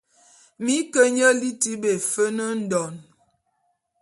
Mi ke nye liti be Efen-Ndon.